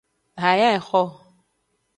Haya exo.